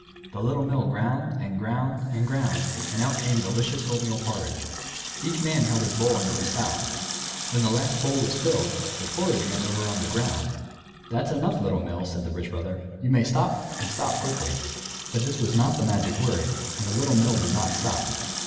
The Little Mill ground, and ground, and ground, and out came delicious oatmeal porridge. Each man held his bowl under the spout. When the last bowl was filled, the porridge ran over on the ground. "That's enough, Little Mill," said the Rich Brother. "You may stop, and stop quickly." But this was not the magic word, and the Little Mill did not stop.